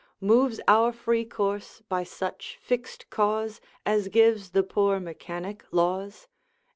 Moves our free course by such fixed cause As gives the poor mechanic laws?